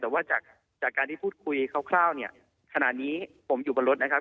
แต่ว่าจากการที่พูดคุยคร่าวเนี่ยขณะนี้ผมอยู่บนรถนะครับ